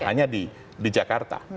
hanya di jakarta